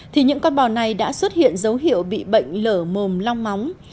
thì những con bò này đã xuất hiện dấu hiệu bị bệnh lở mồm long móng